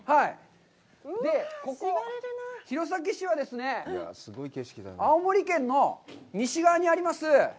で、ここ弘前市はですね、青森県の西側にあります。